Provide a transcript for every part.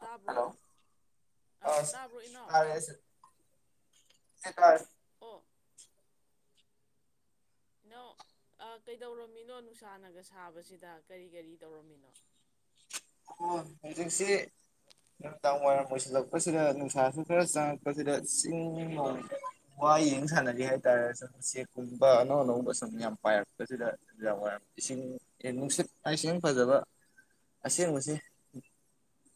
ꯇꯥꯕ꯭ꯔꯣ ꯍꯜꯂꯣ ꯑꯥ ꯑꯁ ꯇꯥꯕ꯭ꯔꯣ ꯏꯅꯥꯎ ꯍꯀꯔ ꯑꯣ ꯏ ꯀꯩꯗꯧꯔꯝꯃꯤꯅꯣ ꯅꯨꯡꯁꯥꯅꯒ ꯁꯥꯕꯁꯤꯗ ꯀꯔꯤ ꯀꯔꯤ ꯇꯧꯔꯝꯃꯤꯅꯣ ꯑꯣ ꯍꯧꯖꯤꯛꯁꯤ ꯅꯨꯃꯤꯗꯥꯡ ꯋꯥꯏꯔꯝ ꯑꯣꯏꯁꯤꯜꯂꯛꯄꯁꯤꯗ ꯅꯨꯡꯁꯥꯁꯨ ꯈꯔ ꯆꯪꯉꯛꯄꯁꯤꯗ ꯆꯤꯡ ꯋꯥ ꯌꯦꯡ ꯁꯥꯟꯅꯔꯤ ꯍꯥꯏꯇꯥꯔꯦ ꯁꯨꯝ ꯎꯆꯦꯛꯀꯨꯝꯕ ꯑꯅꯧ ꯑꯅꯧꯕ ꯁꯨꯝ ꯌꯥꯝ ꯄꯥꯏꯔꯛꯄꯁꯤꯗ ꯅꯨꯃꯤꯗꯥꯡ ꯋꯥꯏꯔꯝ ꯏꯁꯤꯡ ꯅꯨꯡꯁꯤꯠ ꯍꯥꯏꯁ ꯌꯥꯝ ꯐꯖꯕ ꯑꯁꯦꯡꯕꯕꯁꯤ [unintelligible] [inaudible]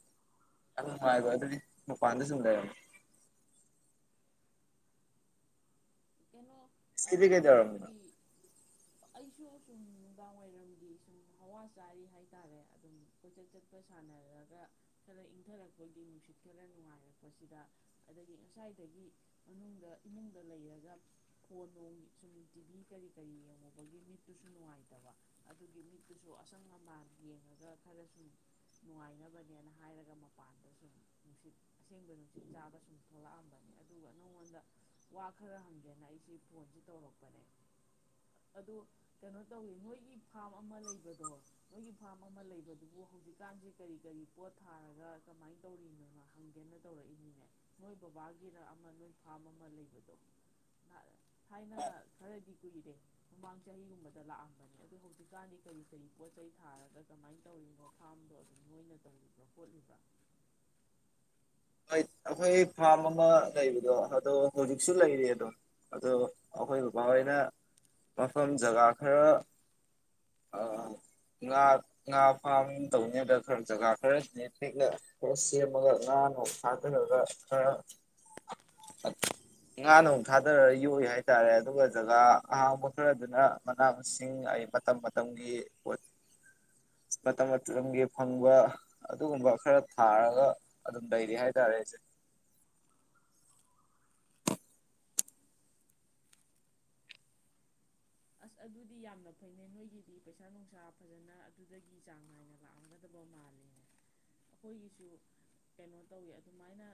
ꯌꯥꯝ ꯅꯨꯡꯉꯥꯏꯕ ꯑꯣ ꯑꯗꯨꯅꯤ ꯃꯄꯥꯟꯗ [unintelligible] ꯀꯩꯅꯩꯅꯣ [unintelligible] ꯁꯤꯗꯤ ꯀꯩꯗ ꯋꯥꯔꯝꯅ ꯑꯩꯁꯨ ꯁꯨꯝ ꯅꯨꯡꯗꯥꯡ ꯋꯥꯏꯔꯝꯒꯤ ꯁꯨꯝ ꯍꯋꯥ ꯆꯥꯔꯤ ꯍꯥꯏꯇꯥꯔꯦ ꯑꯗꯨꯝ ꯀꯣꯏꯆꯠ ꯆꯠꯄ ꯁꯥꯟꯅꯔꯒ ꯈꯔ ꯏꯪꯊꯔꯛꯄꯒꯤ ꯅꯨꯡꯁꯤꯠ ꯈꯔ ꯅꯨꯡꯉꯥꯏꯔꯛꯄꯁꯤꯗ ꯑꯗꯒꯤ ꯉꯁꯥꯏꯗꯒꯤ ꯃꯅꯨꯡꯗ ꯏꯃꯨꯡꯗ ꯂꯩꯔꯒ ꯐꯣꯟꯣꯡ ꯁꯨꯝ ꯇꯤꯚꯤ ꯀꯔꯤ ꯀꯔꯤ ꯌꯦꯡꯉꯨꯕꯒꯤ ꯃꯤꯠꯇꯨꯁꯨ ꯅꯨꯡꯉꯥꯏꯇꯕ ꯑꯗꯨꯒꯤ ꯃꯤꯠꯇꯨꯁꯨ ꯑꯁꯪ ꯑꯃꯥꯟ ꯌꯦꯡꯉꯒ ꯈꯔ ꯁꯨꯝ ꯅꯨꯡꯉꯥꯏꯅꯕꯅꯦꯅ ꯍꯥꯏꯔꯒ ꯃꯄꯥꯟꯗ ꯁꯨꯝ ꯅꯨꯡꯁꯤꯠ ꯑꯁꯦꯡꯕ ꯅꯨꯡꯁꯤꯠ ꯆꯥꯗ ꯁꯨꯝ ꯊꯣꯛꯂꯛꯑꯝꯕꯅꯦ ꯑꯗꯨꯒ ꯅꯪꯉꯣꯟꯗ ꯋꯥ ꯈꯔ ꯍꯪ ꯒꯦꯅ ꯑꯩꯁꯤ ꯐꯣꯟꯁ ꯇꯧꯔꯛꯄꯅꯦ ꯑꯗꯨ ꯀꯩꯅꯣ ꯇꯧꯋꯤ ꯅꯣꯏꯒꯤ ꯐꯥꯔꯝ ꯑꯃ ꯂꯩꯕꯗꯣ ꯅꯣꯏꯒꯤ ꯐꯥꯔꯝ ꯑꯃ ꯂꯩꯕꯗꯨꯕꯨ ꯍꯧꯖꯤꯛꯀꯥꯟꯁꯦ ꯀꯔꯤ ꯀꯔꯤ ꯄꯣꯠ ꯊꯥꯔꯒ ꯀꯃꯥꯏꯅ ꯇꯧꯔꯤꯅꯣꯅꯣ ꯍꯪꯒꯦꯅ ꯇꯧꯔꯛꯏꯅꯤꯅꯦ ꯅꯣꯏ ꯕꯕꯥꯒꯤꯅ ꯑꯃ ꯅꯣꯏ ꯐꯥꯔꯝ ꯑꯃ ꯂꯩꯕꯗꯣ ꯍꯥꯏꯅ ꯈꯔꯗꯤ ꯀꯨꯏꯔꯦ ꯃꯃꯥꯡ ꯆꯍꯤꯒꯨꯝꯕꯗ ꯂꯥꯛꯑꯝꯕꯅꯦ ꯑꯗꯨ ꯍꯧꯖꯤꯛꯀꯥꯟꯗꯤ ꯀꯔꯤ ꯀꯔꯤ ꯄꯣꯠ ꯆꯩ ꯊꯥꯔꯒ ꯀꯃꯥꯏꯅ ꯇꯧꯔꯤꯅꯣ ꯐꯥꯝꯗꯣ ꯑꯗꯨꯝ ꯅꯣꯏꯅ ꯇꯧꯔꯤꯕ꯭ꯔꯥ ꯈꯣꯠꯂꯤꯕ꯭ꯔꯥ ꯍꯣꯏ ꯑꯩꯈꯣꯏ ꯐꯥꯔꯝ ꯑꯃ ꯂꯩꯕꯗꯣ ꯑꯗꯣ ꯍꯧꯖꯤꯛꯁꯨ ꯂꯩꯔꯤ ꯑꯗꯣ ꯑꯣ ꯑꯩꯈꯣꯏ ꯕꯕꯥꯍꯣꯏꯅ ꯃꯐꯝ ꯖꯒꯥ ꯈꯔ ꯉꯥ ꯉꯥ ꯐꯥꯔꯝ ꯇꯧꯅꯤꯗ ꯈꯔ ꯖꯒꯥ ꯈꯔ ꯄꯤꯛꯅ ꯈꯔ ꯁꯦꯝꯃꯒ ꯉꯥꯅꯣ ꯊꯥꯗꯔꯒ ꯈꯔ ꯉꯥꯅ ꯑꯃꯨꯛ ꯊꯥꯗꯔꯒ ꯌꯣꯛꯏ ꯍꯥꯏꯇꯥꯔꯦ ꯑꯗꯨꯒ ꯖꯒꯥ ꯑꯍꯥꯡꯕ ꯈꯔꯗꯨꯅ ꯃꯅꯥ ꯃꯁꯤꯡ ꯑꯩ ꯃꯇꯝ ꯃꯇꯝꯒꯤ ꯄꯣꯠ ꯃꯇꯝ ꯃꯇꯝꯒꯤ ꯐꯪꯕ ꯑꯗꯨꯒꯨꯝꯕ ꯈꯔ ꯊꯥꯔꯒ ꯑꯗꯨꯝ ꯂꯩꯔꯤ ꯍꯥꯏ ꯆꯥꯔꯦ ꯑꯁ ꯑꯗꯨꯗꯤ ꯌꯥꯝꯅ ꯐꯩꯅꯦ ꯅꯣꯏꯒꯤꯗꯤ ꯄꯩꯁꯥ ꯅꯨꯡꯁꯥ ꯐꯖꯅ ꯑꯗꯨꯗꯒꯤ ꯆꯥꯡ ꯅꯥꯏꯅ ꯂꯥꯛꯑꯝꯒꯗꯕ ꯃꯥꯂꯅꯦ ꯑꯩꯈꯣꯏꯒꯤꯁꯨ ꯀꯩꯅꯣ ꯇꯧꯋꯤ ꯑꯗꯨꯃꯥꯏꯅ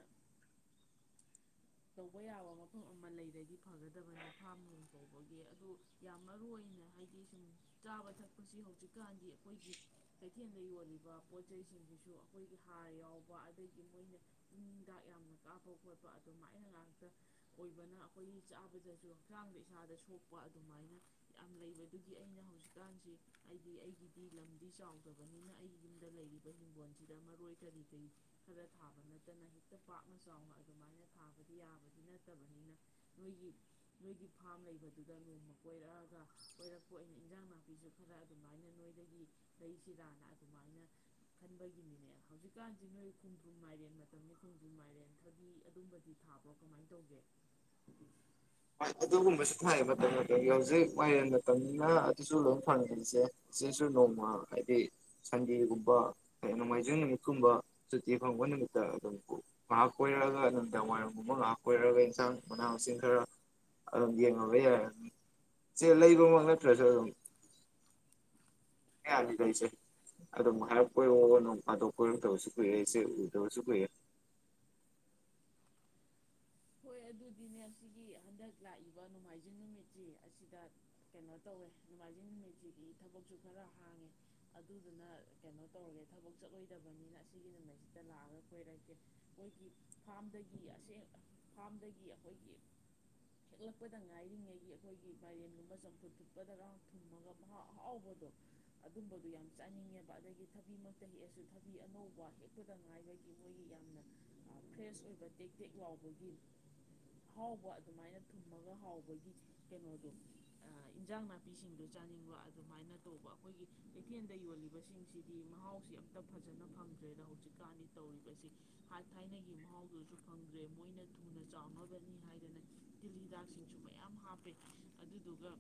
ꯇꯧꯕ ꯌꯥꯕ ꯃꯐꯝ ꯑꯃ ꯂꯩꯔꯗꯤ ꯐꯒꯗꯕꯅꯤ ꯐꯥꯝ ꯔꯅꯨꯡ ꯀꯧꯕꯒꯤ ꯑꯗꯨ ꯌꯥꯝ ꯃꯔꯨ ꯑꯣꯏꯅ ꯍꯥꯏꯗꯤ ꯁꯨꯝ ꯆꯥꯕ ꯊꯛꯄꯁꯤ ꯍꯧꯖꯤꯛꯀꯥꯟꯗꯤ ꯑꯩꯈꯣꯏꯒꯤ ꯀꯩꯊꯦꯜꯗ ꯌꯣꯜꯂꯤꯕ ꯄꯣꯠ ꯆꯩꯁꯤꯡꯁꯤꯁꯨ ꯑꯩꯈꯣꯏꯒꯤ ꯍꯥꯔ ꯌꯥꯎꯕ ꯑꯗꯒꯤ ꯃꯣꯏꯅ ꯆꯤꯟꯗꯥꯛ ꯌꯥꯝꯅ ꯀꯥꯞꯄ ꯈꯣꯠꯄ ꯑꯗꯨꯃꯥꯏꯅ ꯉꯥꯛꯇ ꯑꯣꯏꯕꯅ ꯑꯩꯈꯣꯏꯒꯤ ꯆꯥꯕꯗꯁꯨ ꯍꯛꯆꯥꯡꯗ ꯏꯁꯥꯗ ꯁꯣꯛꯄ ꯑꯗꯨꯃꯥꯏꯅ ꯌꯥꯝ ꯂꯩꯕꯗꯨꯒꯤ ꯑꯩꯅ ꯍꯧꯖꯤꯛꯀꯥꯟꯁꯤ ꯍꯥꯏꯗꯤ ꯑꯩꯒꯤꯗꯤ ꯂꯝꯗꯤ ꯆꯥꯎꯗꯕꯅꯤꯅ ꯑꯩꯒꯤ ꯌꯨꯝꯗ ꯂꯩꯔꯤꯕ ꯍꯤꯡꯒꯣꯜꯁꯤꯗ ꯃꯔꯣꯏ ꯀꯔꯤ ꯀꯔꯤ ꯈꯔ ꯊꯥꯕ ꯅꯠꯇꯅ ꯍꯦꯛꯇ ꯄꯥꯛꯅ ꯆꯥꯎꯅ ꯑꯗꯨꯃꯥꯏꯅ ꯊꯥꯕꯗꯤ ꯌꯥꯕꯗꯤ ꯅꯠꯇꯕꯅꯤꯅ ꯅꯣꯏꯒꯤ ꯅꯣꯏꯒꯤ ꯐꯥꯝ ꯂꯩꯕꯗꯨꯗ ꯅꯣꯡꯃ ꯀꯣꯏꯔꯛꯑꯒ ꯀꯣꯏꯔꯛꯄ ꯑꯣꯏꯅ ꯏꯟꯖꯥꯡ ꯅꯥꯄꯤꯁꯨ ꯈꯔ ꯑꯗꯨꯃꯥꯏꯅ ꯅꯣꯏꯗꯒꯤ ꯂꯩꯁꯤꯔꯥꯅ ꯑꯗꯨꯃꯥꯏꯅ ꯈꯟꯕꯒꯤꯅꯤꯅꯦ ꯍꯧꯖꯤꯛꯀꯥꯟꯁꯤ ꯅꯣꯏ ꯈꯣꯡꯗ꯭ꯔꯨꯝ ꯃꯥꯏꯔꯦꯟ ꯃꯇꯝ ꯈꯣꯡꯗ꯭ꯔꯨꯝ ꯃꯥꯏꯔꯦꯟ ꯊꯕꯤ ꯑꯗꯨꯝꯕ ꯤ ꯊꯥꯕ꯭ꯔꯣ ꯀꯃꯥꯏꯅ ꯇꯧꯒꯦ ꯑꯗꯨꯒꯨꯝꯕꯁꯨ ꯊꯥꯏ ꯃꯇꯝ ꯃꯇꯝꯒꯤ ꯍꯧꯖꯤꯛ ꯃꯥꯂꯦꯝꯦꯟ ꯃꯇꯝꯅ ꯑꯗꯨꯁꯨ ꯂꯣꯏꯝ ꯐꯪꯉꯤꯆꯦ ꯁꯤꯆꯁꯨ ꯅꯣꯡꯃ ꯍꯥꯏꯗꯤ ꯁꯟꯗꯦꯒꯨꯝꯕ ꯍꯥꯏꯗꯤ ꯅꯣꯡꯃꯥꯏꯖꯤꯡ ꯅꯨꯃꯤꯠꯀꯨꯝꯕ ꯁꯨꯇꯤ ꯐꯪꯕ ꯅꯨꯃꯤꯠꯇ ꯑꯗꯨꯝ ꯉꯥꯏꯍꯥꯛ ꯀꯣꯏꯔꯛꯑꯒ ꯅꯨꯃꯤꯗꯥꯡ ꯋꯥꯏꯔꯝꯒꯨꯝꯕ ꯉꯥꯏꯍꯥꯛ ꯀꯣꯏꯔꯛꯒ ꯏꯟꯁꯥꯡ ꯃꯅꯥ ꯃꯁꯤꯡ ꯈꯔ ꯑꯗꯨ ꯌꯦꯉ ꯁꯤ ꯂꯩꯕ ꯄ꯭ꯔꯦꯁ ꯌꯥꯅꯤ ꯂꯩꯁꯦ ꯑꯗꯨꯝ ꯍꯥꯏꯞ ꯀꯣꯏꯔꯣꯛꯒꯅꯨ ꯑꯗ ꯀꯣꯏꯔꯛꯇꯕꯁꯨ ꯀꯨꯏꯔꯦ ꯏꯆꯦ ꯎꯗꯕꯁꯨ ꯀꯨꯏꯔꯦ ꯍꯣꯏ ꯑꯗꯨꯗꯤꯅꯦ ꯁꯤ ꯍꯟꯗꯛ ꯂꯥꯛꯏꯕ ꯅꯣꯡꯃꯥꯏꯖꯤꯡ ꯅꯨꯃꯤꯠꯁꯤ ꯑꯁꯤꯗ ꯀꯩꯅꯣ ꯇꯧꯋꯦ ꯅꯣꯡꯃꯥꯏꯖꯤꯡ ꯅꯨꯃꯤꯠꯁꯤꯗꯤ ꯊꯕꯛꯁꯨ ꯈꯔ ꯍꯥꯡꯉꯦ ꯑꯗꯨꯗꯨꯅ ꯀꯩꯅꯣ ꯇꯧꯔꯒꯦ ꯊꯕꯛ ꯆꯠꯂꯣꯏꯗꯕꯅꯤꯅ ꯑꯁꯤꯒꯤ ꯅꯨꯃꯤꯠꯁꯤꯗ ꯂꯥꯛꯑꯒ ꯀꯣꯏꯔꯛꯀꯦ ꯃꯣꯏꯒꯤ ꯐꯥꯝꯗꯒꯤ ꯑꯁꯦꯡ ꯐꯥꯔꯝꯗꯒꯤ ꯑꯩꯈꯣꯏꯒꯤ ꯍꯦꯛꯂꯛꯄꯗ ꯉꯥꯏꯔꯤꯉꯩꯒꯤ ꯑꯩꯈꯣꯏꯒꯤ ꯃꯥꯏꯔꯦꯟꯒꯨꯝꯕ ꯆꯝꯐꯨꯠ ꯊꯨꯠꯄꯗꯒ ꯊꯨꯝꯃꯒ ꯃꯍꯥꯎ ꯑꯍꯥꯎꯕꯗꯣ ꯑꯗꯨꯝꯕꯗꯣ ꯌꯥꯝ ꯆꯥꯅꯤꯡꯉꯦꯕ ꯑꯗꯒꯤ ꯊꯕꯤꯃꯛꯇ ꯍꯦꯛꯑꯁꯨ ꯊꯕꯤ ꯑꯅꯧꯕ ꯍꯦꯛꯄꯗ ꯉꯥꯏꯕꯒꯤ ꯃꯣꯏꯒꯤ ꯌꯥꯝꯅ ꯐ꯭ꯔꯦꯁ ꯑꯣꯏꯕ ꯇꯦꯛ ꯇꯦꯛ ꯂꯥꯎꯕꯒꯤ ꯍꯥꯎꯕ ꯑꯗꯨꯃꯥꯏꯅ ꯊꯨꯝꯃꯒ ꯍꯥꯎꯕꯒꯤ ꯀꯩꯅꯣꯗꯣ ꯏꯟꯖꯥꯡ ꯅꯥꯄꯤꯁꯤꯡꯗꯣ ꯆꯥꯅꯤꯡꯕ ꯑꯗꯨꯃꯥꯏꯅ ꯇꯧꯕ ꯑꯩꯈꯣꯏꯒꯤ ꯀꯩꯊꯦꯜꯗ ꯌꯣꯜꯂꯤꯕꯁꯤꯡꯁꯤꯗꯤ ꯃꯍꯥꯎꯁꯤ ꯑꯝꯇ ꯐꯖꯅ ꯐꯪꯗ꯭ꯔꯦꯗ ꯍꯧꯖꯤꯛꯀꯥꯟꯗꯤ ꯇꯧꯔꯤꯕꯁꯤ ꯍꯥꯠ ꯊꯥꯏꯅꯒꯤ ꯃꯍꯥꯎꯗꯨꯁꯨ ꯐꯪꯗ꯭ꯔꯦ ꯃꯣꯏꯅ ꯊꯨꯅ ꯆꯥꯎꯅꯕꯅꯤ ꯍꯥꯏꯗꯅ ꯇꯤꯜ ꯍꯤꯗꯥꯛꯁꯤꯡꯁꯨ ꯃꯌꯥꯝ ꯍꯥꯞꯄꯦ ꯑꯗꯨꯗꯨꯒ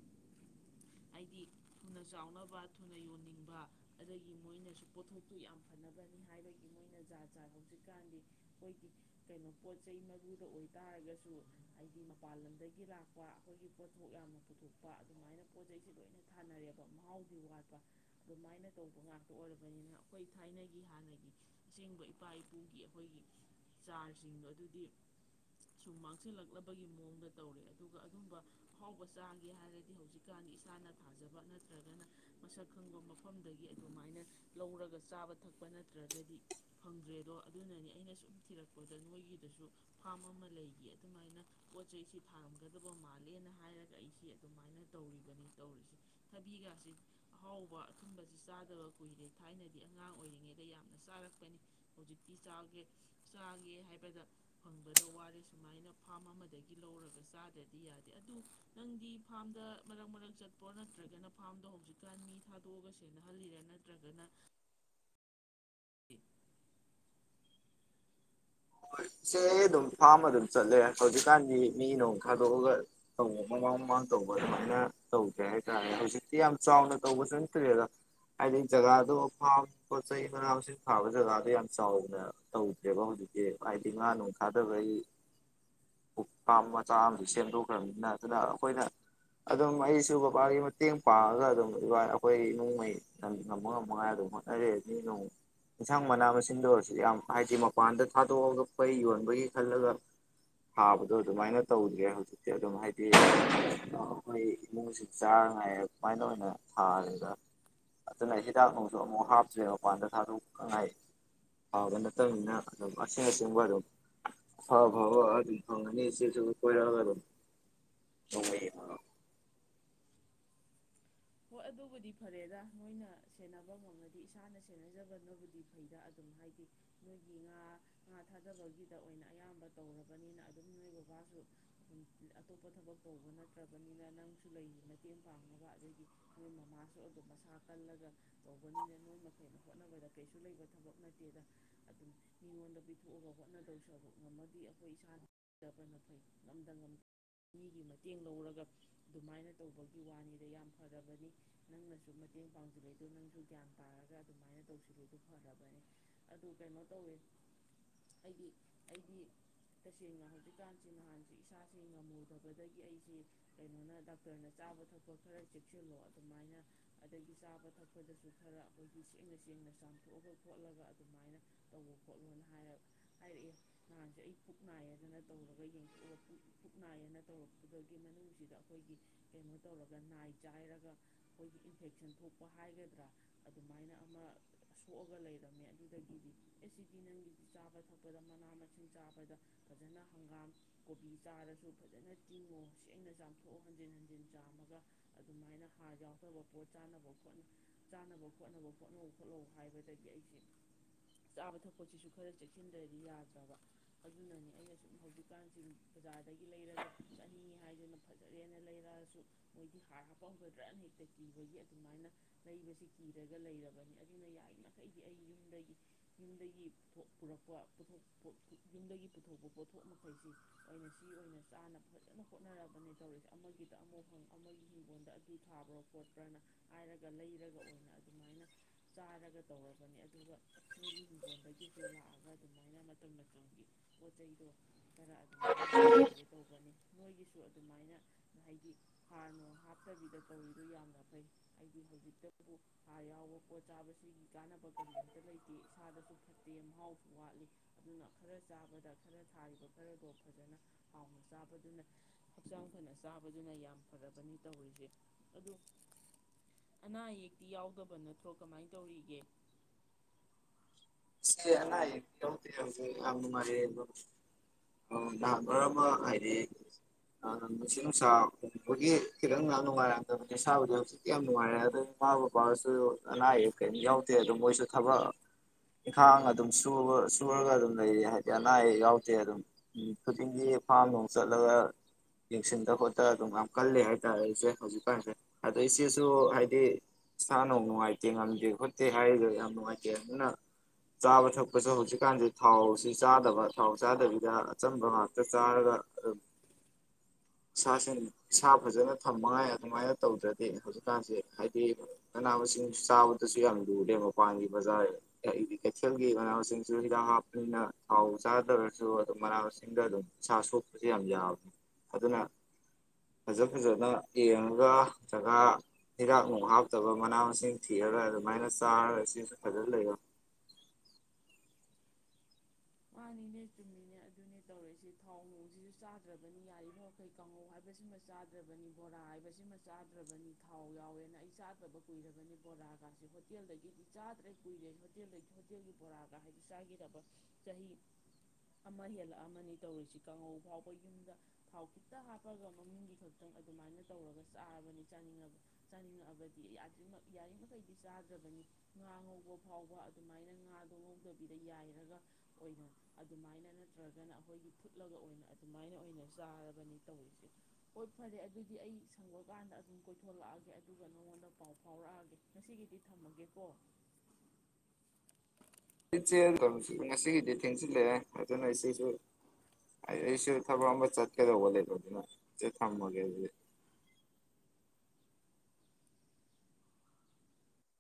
ꯍꯥꯏꯗꯤ ꯊꯨꯅ ꯆꯥꯎꯅꯕ ꯊꯨꯅ ꯌꯣꯟꯅꯤꯡꯕ ꯑꯗꯒꯤ ꯃꯣꯏꯅꯁꯨ ꯄꯣꯠꯊꯣꯛꯇꯨ ꯌꯥꯝ ꯐꯅꯕꯅꯤ ꯍꯥꯏꯕꯒꯤ ꯃꯣꯏꯅ ꯖꯥꯠ ꯖꯥ ꯍꯧꯖꯤꯛꯀꯥꯟꯗꯤ ꯑꯩꯈꯣꯏꯒꯤ ꯀꯩꯅꯣ ꯄꯣꯠ ꯆꯩ ꯏꯐꯨꯗ ꯑꯣꯏꯇꯥꯥꯔꯒꯁꯨ ꯍꯥꯏꯗꯤ ꯃꯄꯥꯟ ꯂꯝꯗꯒꯤ ꯂꯥꯛꯄ ꯑꯩꯈꯣꯏꯒꯤ ꯄꯣꯠꯊꯣꯛ ꯌꯥꯝꯅ ꯄꯨꯊꯣꯛꯄ ꯑꯗꯨꯃꯥꯏꯅ ꯄꯣꯠ ꯆꯩꯩꯁꯦ ꯂꯣꯏꯅ ꯊꯥꯅꯔꯦꯕ ꯃꯍꯥꯎꯗꯤ ꯋꯥꯠꯄ ꯑꯗꯨꯃꯥꯏꯅ ꯇꯧꯕ ꯉꯥꯛꯇ ꯑꯣꯏꯔꯕꯅꯤꯅ ꯑꯩꯈꯣꯏ ꯊꯥꯏꯅꯒꯤ ꯍꯥꯟꯅꯒꯤ ꯑꯁꯦꯡꯕ ꯏꯄꯥ ꯏꯄꯨꯒꯤ ꯑꯩꯈꯣꯏꯒꯤ ꯆꯥꯔꯁꯤꯡꯗꯣ ꯑꯗꯨꯗꯤ ꯁꯨꯝ ꯃꯥꯡꯁꯤꯜꯂꯛꯂꯕꯒꯤ ꯃꯑꯣꯡꯗ ꯇꯧꯔꯦ ꯑꯗꯨꯒ ꯑꯗꯨꯨꯝꯝꯕ ꯑꯍꯥꯎꯕ ꯆꯥꯒꯦ ꯍꯥꯏꯔꯗꯤ ꯍꯧꯖꯤꯛꯀꯥꯟꯗꯤ ꯏꯁꯥꯅ ꯊꯥꯖꯕ ꯅꯠꯇ꯭ꯔꯒꯅ ꯃꯁꯛ ꯈꯪꯕ ꯃꯐꯝꯗꯒꯤ ꯑꯗꯨꯃꯥꯏꯅ ꯂꯧꯔꯒ ꯆꯥꯕ ꯊꯛꯄ ꯅꯠꯇ꯭ꯔꯒꯗꯤ ꯐꯪꯗ꯭ꯔꯦꯗꯣ ꯑꯗꯨꯅꯅꯤ ꯑꯩꯅ ꯁꯨꯝ ꯊꯤꯔꯛꯄꯗ ꯅꯣꯏꯒꯤꯗꯁꯨ ꯐꯥꯝ ꯑꯃ ꯂꯩꯈꯤ ꯑꯗꯨꯃꯥꯏꯅ ꯄꯣꯠ ꯆꯩꯁꯤ ꯊꯥꯔꯝꯒꯗꯕ ꯃꯥꯜꯂꯦꯅ ꯍꯥꯏꯔꯒ ꯑꯩꯁꯤ ꯑꯗꯨꯃꯥꯏꯅ ꯇꯧꯔꯤꯕꯅꯤ ꯇꯧꯔꯤꯁꯦ ꯊꯕꯤꯒꯁꯤ ꯑꯍꯥꯎꯕ ꯑꯊꯨꯝꯕꯁꯤ ꯆꯥꯗꯕ ꯀꯨꯏꯔꯦ ꯊꯥꯏꯅꯗꯤ ꯑꯉꯥꯡ ꯑꯣꯏꯔꯤꯉꯩꯗ ꯌꯥꯝꯅ ꯆꯥꯔꯛꯄꯅꯤ ꯍꯧꯖꯤꯛꯇꯤ ꯆꯥꯒꯦ ꯆꯥꯒꯦ ꯍꯥꯏꯕꯗ ꯐꯪꯕꯗ ꯋꯥꯔꯦ ꯁꯨꯃꯥꯏꯅ ꯐꯥꯔꯝ ꯑꯃꯗꯒꯤ ꯂꯧꯔꯒ ꯆꯥꯗ꯭ꯔꯗꯤ ꯌꯥꯗꯦ ꯑꯗꯨ ꯅꯪꯗꯤ ꯐꯥꯔꯝꯗ ꯃꯔꯛ ꯃꯔꯛ ꯆꯠꯄ꯭ꯔꯣ ꯅꯠꯇ꯭ꯔꯒꯅ ꯐꯥꯔꯝꯗꯣ ꯍꯧꯖꯤꯛꯀꯥꯟ ꯃꯤ ꯊꯥꯗꯣꯛꯑꯒ ꯁꯦꯅꯍꯜꯂꯤꯔꯣ ꯅꯠꯇ꯭ꯔꯒꯅ ꯎ [inaudible] ꯏꯆꯦ ꯑꯗꯨꯝ ꯐꯥꯝ ꯑꯗꯨꯝ ꯆꯠꯂꯦ ꯍꯧꯖꯤꯛꯀꯥꯟꯗꯤ ꯃꯤ ꯅꯣꯡ ꯊꯥꯗꯣꯛꯑꯒ ꯇꯧꯕ ꯃꯃꯥꯡ ꯃꯃꯥꯡ ꯇꯧꯕ ꯑꯗꯨꯃꯥꯏꯅ ꯇꯧꯗꯦ ꯍꯥꯏꯇꯥꯔꯦ ꯍꯧꯖꯤꯛꯇꯤ ꯌꯥꯝ ꯆꯥꯎꯅ ꯇꯧꯕ ꯆꯨ ꯅꯠꯇ꯭ꯔꯦꯗ ꯍꯥꯏꯗꯤ ꯖꯒꯥꯗꯣ ꯐꯥꯝ ꯄꯣꯠ ꯆꯩ ꯃꯅꯥ ꯃꯁꯤꯡ ꯊꯥꯕ ꯖꯒꯥꯗꯣ ꯌꯥꯝ ꯆꯥꯎꯅ ꯇꯧꯗ꯭ꯔꯦꯕ ꯍꯧꯖꯤꯛꯇꯤ ꯍꯥꯏꯗꯤ ꯉꯥ ꯅꯨꯡ ꯊꯥꯗꯕꯒꯤꯥ ꯐꯥꯝ ꯃꯆꯥ ꯑꯃꯁꯨ ꯁꯦꯝꯗꯣꯛꯈ꯭ꯔꯕꯅꯤꯅ ꯑꯗꯨꯅ ꯑꯩꯈꯣꯏꯅ ꯑꯗꯨꯝ ꯑꯩꯁꯨ ꯕꯕꯥꯒꯤ ꯃꯇꯦꯡ ꯄꯥꯡꯉꯒ ꯑꯗꯨꯝ ꯏꯕꯥ ꯑꯩꯈꯣꯏ ꯏꯃꯨꯡꯉꯩ ꯉꯝꯕ ꯉꯝꯃꯉꯥꯏ ꯑꯗꯨꯝ ꯍꯣꯠꯅꯔꯦ ꯃꯤ ꯅꯣꯡ ꯌꯦꯟꯁꯥꯡ ꯃꯅꯥ ꯃꯁꯤꯡꯗ ꯑꯣꯏꯔꯁꯨ ꯌꯥꯝ ꯍꯥꯏꯗꯤ ꯃꯄꯥꯟꯗ ꯊꯥꯗꯣꯛꯑꯒ ꯐꯩ ꯌꯣꯟꯕꯒꯤ ꯈꯜꯂꯒ ꯊꯥꯕꯗꯣ ꯑꯗꯨꯃꯥꯏꯅ ꯇꯧꯒꯦ ꯍꯧꯖꯤꯛꯇꯤ ꯑꯗꯨꯝ ꯍꯥꯏꯗꯤ ꯑꯩꯈꯣꯏ ꯏꯃꯨꯡꯁꯤ ꯆꯥꯅꯉꯥꯏ ꯑꯗꯨꯃꯥꯏꯅ ꯑꯣꯏꯅ ꯊꯥꯔꯒ ꯑꯗꯨꯅ ꯍꯤꯗꯥꯛ ꯅꯣꯛꯁꯨ ꯑꯃꯨꯛ ꯍꯥꯞꯇ꯭ꯔꯦ ꯃꯄꯥꯟꯗ ꯊꯥꯗꯣꯛꯅꯉꯥꯏ ꯊꯥꯕ ꯅꯠꯇꯕꯅꯤꯅ ꯑꯗꯨꯝ ꯑꯁꯦꯡ ꯑꯁꯦꯡꯕ ꯑꯗꯨꯝ ꯐꯥꯎꯕ ꯑꯗꯨꯝ ꯐꯪꯒꯅꯤ ꯏꯆꯦꯁꯨ ꯀꯣꯏꯔꯛꯑꯒ ꯑꯗꯨꯝ ꯍꯣꯏ ꯑꯗꯨꯕꯨꯗꯤ ꯐꯔꯦꯗ ꯅꯣꯏꯅ ꯁꯦꯟꯅꯕ ꯉꯪꯉꯗꯤ ꯏꯁꯥꯅ ꯁꯦꯟꯅꯖꯕꯅꯕꯨꯗꯤ ꯐꯩꯗ ꯑꯗꯨꯝ ꯍꯥꯏꯗꯤ ꯅꯣꯏꯒꯤ ꯉꯥ ꯉꯥ ꯊꯥꯗꯕꯒꯤꯗ ꯑꯣꯏꯅ ꯑꯌꯥꯝꯕ ꯇꯧꯔꯕꯅꯤꯅ ꯑꯗꯨꯝ ꯅꯣꯏ ꯕꯕꯥꯁꯨ ꯑꯗꯨꯝ ꯑꯇꯣꯞꯄ ꯊꯕꯛ ꯇꯧꯕ ꯅꯠꯇ꯭ꯔꯕꯅꯤꯅ ꯅꯪꯁꯨ ꯂꯩꯔꯤ ꯃꯇꯦꯡ ꯄꯥꯡꯅꯕ ꯑꯗꯨꯗꯤ ꯅꯣꯏ ꯃꯃꯥꯁꯨ ꯑꯗꯨꯝ ꯃꯁꯥ ꯀꯜꯂꯒ ꯇꯧꯕꯅꯤꯅ ꯅꯣꯏ ꯃꯈꯩꯅ ꯍꯣꯠꯅꯕꯗ ꯀꯩꯁꯨ ꯂꯩꯕ ꯊꯕꯛ ꯅꯠꯇꯦꯗ ꯑꯗꯨꯝ ꯃꯤꯉꯣꯟꯗ ꯄꯤꯊꯣꯛꯑꯒ ꯍꯣꯠꯅꯗꯧꯁꯨ ꯑꯗꯨ ꯉꯝꯃꯗꯤ ꯑꯩꯈꯣꯏ ꯏꯁꯥꯗꯕꯅ ꯐꯩ ꯉꯝꯗ ꯉꯝꯗ ꯑ ꯃꯤꯒꯤ ꯃꯇꯦꯡ ꯂꯧꯔꯒ ꯑꯗꯨꯃꯥꯏꯅ ꯇꯧꯕꯒꯤ ꯋꯥꯅꯤꯗ ꯌꯥꯝ ꯐꯔꯕꯅꯤ ꯅꯪꯅꯁꯨ ꯃꯇꯦꯡ ꯄꯥꯡꯁꯤꯜꯂꯛꯏ ꯑꯗꯨ ꯅꯪꯁꯨ ꯒ꯭ꯌꯥꯟ ꯇꯥꯔꯒ ꯑꯗꯨꯃꯥꯏꯅ ꯇꯧꯁꯤꯜꯂꯤꯗꯣ ꯐꯔꯕꯅꯤ ꯑꯗꯨ ꯀꯩꯅꯣ ꯇꯧꯋꯦ ꯑꯩꯗꯤ ꯑꯩꯗꯤ ꯇꯁꯦꯡꯅ ꯍꯧꯖꯤꯛꯀꯥꯟꯁꯤ ꯅꯍꯥꯟꯁꯤ ꯏꯁꯥꯁꯦ ꯉꯝꯃꯨꯗꯕꯗꯒꯤ ꯑꯩꯁꯦ ꯀꯩꯅꯣꯅ ꯗꯥꯛꯇꯔꯅ ꯆꯥꯕ ꯊꯛꯄ ꯈꯔ ꯆꯦꯛꯁꯤꯜꯂꯣ ꯑꯗꯨꯃꯥꯏꯅ ꯑꯗꯒꯤ ꯆꯥꯕ ꯊꯛꯄꯗꯁꯨ ꯈꯔ ꯑꯩꯈꯣꯏꯒꯤ ꯁꯦꯡꯅ ꯁꯦꯡꯅ ꯆꯥꯝꯊꯣꯛꯑꯒ ꯈꯣꯠꯂꯒ ꯑꯗꯨꯃꯥꯏꯅ ꯇꯧꯕ ꯈꯣꯠꯂꯣꯅ ꯍꯥꯏꯔ ꯍꯥꯏꯔꯛꯑꯦ ꯅꯍꯥꯟꯁꯦ ꯑꯩ ꯄꯨꯛ ꯅꯥꯏꯌꯦꯗꯅ ꯇꯧꯔꯒ ꯌꯦꯡꯊꯣꯛꯑꯒ ꯄꯨꯛ ꯅꯥꯏꯌꯦꯅ ꯇꯧꯔꯛꯄꯒꯤ ꯃꯅꯨꯡꯁꯤꯗ ꯑꯩꯈꯣꯏꯒꯤ ꯀꯩꯅꯣ ꯇꯧꯔꯒ ꯅꯥꯏ ꯆꯥꯏꯔꯒ ꯑꯩꯈꯣꯏꯒꯤ ꯏꯟꯐꯦꯛꯁꯟ ꯊꯣꯛꯄ ꯍꯥꯏꯒꯗ꯭ꯔꯥ ꯑꯗꯨꯃꯥꯏꯅ ꯑꯃ ꯁꯣꯛꯑꯒ ꯂꯩꯔꯝꯃꯦ ꯑꯗꯨꯗꯒꯤꯗꯤ ꯑꯦꯁꯤꯗꯤꯅꯟꯒꯤꯗꯤ ꯆꯥꯕ ꯊꯛꯄꯗ ꯃꯅꯥ ꯃꯁꯤꯡ ꯆꯥꯕꯗ ꯐꯖꯅ ꯍꯪꯒꯥꯝ ꯀꯣꯕꯤ ꯆꯥꯔꯁꯨ ꯐꯖꯅ ꯆꯤꯡꯉꯣ ꯁꯦꯡꯅ ꯆꯥꯝꯊꯣꯛꯑꯣ ꯍꯟꯖꯤꯟ ꯍꯟꯖꯤꯟ ꯆꯥꯝꯃꯒ ꯑꯗꯨꯃꯥꯏꯅ ꯍꯥꯔ ꯌꯥꯎꯗꯕ ꯄꯣꯠ ꯆꯥꯅꯕ ꯈꯣ ꯆꯥꯅꯕ ꯈꯣꯠꯅꯕ ꯍꯣꯠꯅꯧ ꯍꯣꯠꯅꯧ ꯍꯥꯏꯕꯗꯒꯤ ꯑꯩꯁꯦ ꯆꯥꯕ ꯊꯛꯄꯁꯤꯁꯨ ꯈꯔ ꯆꯦꯛꯁꯤꯟꯗ꯭ꯔꯗꯤ ꯌꯥꯗ꯭ꯔꯕ ꯑꯗꯨꯅꯅꯤ ꯑꯩꯅ ꯁꯨꯝ ꯍꯧꯖꯤꯛꯀꯥꯟꯁꯤ ꯕꯖꯥꯔꯗꯒꯤ ꯂꯩꯔꯒ ꯆꯥꯅꯤꯡꯉꯤ ꯍꯥꯏꯗꯨꯅ ꯐꯖꯔꯦꯅ ꯂꯩꯔꯛꯑꯁꯨ ꯃꯣꯏꯒꯤ ꯍꯥꯔ ꯐꯪꯒꯗ꯭ꯔꯅ ꯍꯦꯛꯇ ꯀꯤꯕꯒꯤ ꯑꯗꯨꯃꯥꯏꯅ ꯂꯩꯕꯁꯤ ꯀꯤꯔꯒ ꯂꯩꯔꯕꯅꯤ ꯑꯗꯨꯅ ꯌꯥꯔꯤꯃꯩꯗꯤ ꯑꯩ ꯌꯨꯝꯗꯒꯤ ꯌꯨꯝꯗꯒꯤ ꯄꯨꯔꯛꯄ, ꯌꯨꯝꯗꯒꯤ ꯄꯨꯊꯣꯛꯄ ꯄꯣꯠꯊꯣꯛ ꯃꯈꯩꯁꯤ ꯑꯣꯏꯅ ꯁꯤ ꯑꯣꯏꯅ ꯆꯥꯅ ꯐꯖꯅ ꯍꯣꯠꯅꯔꯕꯅꯦ ꯇꯧꯔꯤꯁꯦ ꯑꯃꯒꯤꯗ ꯑꯃ ꯍꯪ ꯑꯃꯒꯤ ꯍꯤꯡꯒꯣꯜꯗ ꯑꯗꯨ ꯊꯥꯕ꯭ꯔꯣ ꯈꯣꯠꯄ꯭ꯔꯥꯅ ꯍꯥꯏꯔꯒ ꯂꯩꯔꯒ ꯑꯣꯏꯅ ꯑꯗꯨꯃꯥꯏꯅ ꯆꯥꯔꯒ ꯇꯧꯔꯕꯅꯤ ꯑꯗꯨꯒ ꯅꯣꯏꯒꯤ ꯍꯤꯡꯒꯣꯜꯗꯒꯤꯁꯨ ꯂꯥꯛꯑꯒ ꯑꯗꯨꯃꯥꯏꯅ ꯃꯇꯝ ꯃꯇꯝꯒꯤ ꯄꯣꯠ ꯆꯩꯗꯣ ꯈꯔ ꯑꯗꯨꯃꯥꯏꯅ ꯇꯧꯔꯒꯦ ꯇꯧꯕꯅꯤ ꯃꯣꯏꯒꯤꯁꯨ ꯑꯗꯨꯃꯥꯏꯅ ꯍꯥꯏꯗꯤ ꯍꯥꯔꯅꯣꯡ ꯍꯥꯞꯇꯕꯤꯗ ꯇꯧꯔꯤꯗꯣ ꯌꯥꯝꯅ ꯐꯩ ꯑꯩꯗꯤ ꯍꯧꯖꯤꯛꯇꯕꯨ ꯍꯥꯔ ꯌꯥꯎꯕ ꯄꯣꯠ ꯆꯥꯕꯁꯤꯒꯤ ꯀꯥꯟꯅꯕ ꯀꯔꯤ ꯑꯝꯇ ꯂꯩꯇꯦ ꯏꯁꯥꯗꯁꯨ ꯐꯠꯇꯦ ꯃꯍꯥꯎꯁꯨ ꯋꯥꯠꯂꯤ ꯑꯗꯨꯅ ꯈꯔ ꯆꯥꯕꯗ ꯈꯔ ꯊꯥꯔꯤꯕ ꯈꯔꯗꯣ ꯐꯖꯅ ꯍꯥꯎꯅ ꯆꯥꯕꯗꯨꯅ ꯍꯛꯆꯥꯡ ꯐꯅ ꯆꯥꯕꯗꯨꯅ ꯌꯥꯝ ꯐꯔꯕꯅꯤ ꯇꯧꯔꯤꯁꯦ ꯑꯗꯨ ꯑꯅꯥ ꯑꯌꯦꯛꯇꯤ ꯌꯥꯎꯗꯕ ꯅꯠꯇ꯭ꯔꯣ ꯀꯃꯥꯏꯅ ꯇꯧꯔꯤꯒꯦ ꯁꯤ ꯑꯅꯥ ꯑꯌꯦꯛ ꯌꯥꯎꯗꯦ ꯍꯧꯖꯤꯛ ꯌꯥꯝ ꯅꯨꯡꯉꯥꯏꯔꯤꯌꯦ ꯑꯗꯣ ꯅꯍꯥꯟꯃꯔꯛ ꯑꯃ ꯍꯥꯏꯗꯤ ꯅꯨꯡꯁꯤꯠ ꯅꯨꯡꯁꯥ ꯐꯨꯕꯒꯤ ꯈꯤꯇꯪ ꯅꯨꯡꯉꯥꯏꯔꯝꯗꯕꯅꯦ ꯁꯥꯕꯨꯗꯤ ꯍꯧꯖꯤꯛꯇꯤ ꯌꯥꯝ ꯅꯨꯡꯉꯥꯏꯔꯦ ꯑꯗꯨ ꯏꯃꯥ ꯕꯕꯥꯁꯨ ꯑꯅꯥ ꯑꯌꯦꯛ ꯀꯔꯤꯝ ꯌꯥꯎꯗꯦ ꯑꯗꯣ ꯃꯣꯏꯁꯨ ꯊꯕꯛ ꯏꯟꯈꯥꯡ ꯑꯗꯨꯝ ꯁꯨꯔꯒ ꯑꯗꯨꯝ ꯂꯩꯔꯤ ꯍꯥꯏꯗꯤ ꯑꯅꯥ ꯑꯌꯦꯛ ꯌꯥꯎꯗꯦ ꯑꯗꯨꯝ ꯈꯨꯗꯤꯡꯒꯤ ꯐꯥꯝ ꯅꯨꯡ ꯆꯠꯂꯒ ꯌꯦꯡꯁꯤꯟꯗ ꯈꯣꯠꯇ ꯑꯗꯨꯝ ꯌꯥꯝ ꯀꯜꯂꯤ ꯍꯥꯏꯇꯥꯥꯔꯦ ꯑꯩꯁꯦ ꯍꯧꯖꯤꯛꯀꯥꯟꯁꯦ ꯑꯗꯣ ꯏꯆꯦꯁꯨ ꯍꯥꯏꯗꯤ ꯏꯁꯥ ꯅꯨꯡ ꯅꯨꯡꯉꯥꯏꯇꯦ ꯉꯝꯗꯦ ꯈꯣꯠꯇꯦ ꯍꯥꯏꯔꯤꯗꯣ ꯌꯥꯝ ꯅꯨꯡꯉꯥꯏꯇꯦ ꯑꯗꯨꯅ ꯆꯥꯕ ꯊꯛꯄꯁꯨ ꯍꯧꯖꯤꯛꯀꯥꯟꯁꯦ ꯊꯥꯎꯁꯨ ꯆꯥꯗꯕ ꯊꯥꯎ ꯆꯥꯗꯕꯤꯗ ꯑꯆꯝꯕ ꯉꯥꯛꯇ ꯆꯥꯔꯒ ꯑꯗꯨꯝ ꯏꯁꯥꯁꯤꯡ ꯏꯁꯥ ꯐꯖꯅ ꯊꯃꯉꯥꯏ ꯑꯗꯨꯃꯥꯏꯅ ꯇꯧꯗ꯭ꯔꯗꯤ ꯍꯧꯖꯤꯛꯀꯥꯟꯁꯤ ꯍꯥꯏꯗꯤ ꯃꯅꯥ ꯃꯁꯤꯡ ꯆꯥꯕꯗꯁꯨ ꯌꯥꯝ ꯂꯨꯔꯦ ꯃꯄꯥꯟꯒꯤ ꯕꯖꯥꯔꯒꯤ ꯀꯩꯊꯦꯜꯒꯤ ꯃꯅꯥ ꯃꯁꯤꯡꯁꯨ ꯍꯤꯗꯥꯛ ꯍꯥꯞꯄꯅꯤꯅ ꯊꯥꯎ ꯆꯥꯗ꯭ꯔꯁꯨ ꯑꯗꯨꯝ ꯃꯅꯥ ꯃꯁꯤꯡꯗ ꯑꯗꯨꯝ ꯏꯁꯥ ꯁꯣꯛꯄꯁꯨ ꯌꯥꯝ ꯌꯥꯕꯅꯤ ꯑꯗꯨꯅ ꯐꯖ ꯐꯖꯅ ꯌꯦꯡꯉꯒ ꯖꯒꯥ ꯍꯤꯗꯥꯛ ꯅꯨꯡ ꯍꯥꯞꯇꯕ ꯃꯅꯥ ꯃꯁꯤꯡ ꯊꯤꯔꯒ ꯑꯗꯨꯃꯥꯏꯅ ꯆꯥꯔꯒ ꯆꯦꯁꯨ ꯐꯖꯅ ꯂꯩꯌꯣ ꯃꯥꯅꯤꯅꯦ ꯆꯨꯝꯃꯤꯅꯦ ꯑꯗꯨꯅꯦ ꯇꯧꯔꯛꯏꯁꯦ ꯊꯥꯎ ꯉꯩꯁꯤꯁꯨ ꯆꯥꯗ꯭ꯔꯕꯅꯤ ꯌꯥꯔꯤꯕ ꯃꯈꯩ ꯀꯥꯡꯉꯧ ꯍꯥꯏꯕꯁꯤꯃ ꯆꯥꯗ꯭ꯔꯕꯅꯤ ꯕꯣꯔꯥ ꯍꯥꯏꯕꯁꯤꯃ ꯆꯥꯗ꯭ꯔꯕꯅꯤ ꯊꯥꯎ ꯌꯥꯎꯋꯦꯅ ꯑꯩ ꯆꯥꯗ꯭ꯔꯕ ꯀꯨꯏꯔꯕꯅꯤ ꯕꯣꯔꯥꯒꯁꯦ ꯍꯣꯇꯦꯜꯗꯒꯤꯗꯤ ꯆꯥꯗ꯭ꯔꯦ ꯀꯨꯏꯔꯦ ꯍꯣꯇꯦꯜꯒꯤ ꯕꯣꯔꯥꯒ ꯍꯥꯏꯗꯣ ꯆꯥꯒꯤꯗꯕ ꯆꯍꯤ ꯑꯃ ꯍꯦꯜꯂꯛꯑꯃꯅꯤ ꯇꯧꯔꯤꯁꯤ ꯀꯥꯡꯍꯧ ꯐꯥꯎꯕ ꯌꯨꯝꯗ ꯊꯥꯎ ꯈꯤꯇ ꯍꯥꯞꯄꯒ ꯃꯃꯤꯡꯒꯤ ꯈꯛꯇꯪ ꯑꯗꯨꯃꯥꯏꯅ ꯇꯧꯔꯒ ꯆꯥꯕꯅꯤ ꯆꯥꯅꯤꯡꯉꯕ ꯆꯥꯅꯤꯡꯉꯛꯑꯕꯗꯤ ꯌꯥ ꯌꯥꯔꯤꯃꯈꯩꯗꯤ ꯆꯥꯗ꯭ꯔꯕꯅꯤ ꯉꯥ ꯉꯧꯕ ꯐꯥꯎꯕ ꯑꯗꯨꯃꯥꯏꯅ ꯉꯥꯗꯣ ꯉꯧꯗꯕꯤꯗ ꯌꯥꯏꯔꯒ ꯑꯣꯏꯅ ꯑꯗꯨꯃꯥꯏꯅ ꯅꯠꯇ꯭ꯔꯒꯅ ꯑꯩꯈꯣꯏꯗꯤ ꯐꯨꯠꯂꯒ ꯑꯣꯏꯅ ꯑꯗꯨꯃꯥꯏꯅ ꯑꯣꯏꯅ ꯆꯥꯔꯕꯅꯤ ꯇꯧꯔꯤꯁꯦ ꯍꯣꯏ ꯐꯔꯦ ꯑꯗꯨꯗꯤ ꯑꯩ ꯁꯪꯕ ꯀꯥꯟꯗ ꯑꯗꯨꯝ ꯀꯣꯏꯊꯣꯛꯂꯛꯑꯒꯦ ꯑꯗꯨꯒ ꯅꯉꯣꯟꯗ ꯄꯥꯎ ꯐꯥꯎꯔꯛꯑꯒꯦ ꯉꯁꯤꯒꯤꯗꯤ ꯊꯝꯃꯒꯦꯀꯣ ꯏꯆꯦ ꯑꯗꯨꯁꯨ ꯉꯁꯤꯒꯤꯗꯤ ꯊꯦꯡꯖꯤꯜꯂꯛꯑꯦ ꯑꯗꯨꯅ ꯏꯆꯦꯁꯨ ꯑꯩꯁꯨ ꯊꯕꯛ ꯑꯃ ꯆꯠꯀꯗꯧꯕ ꯂꯩꯕ ꯑꯗꯨꯅ ꯏꯆꯦ ꯊꯝꯃꯒꯦ ꯑꯗꯨꯗꯤ